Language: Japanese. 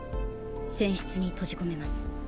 船室に閉じ込めます。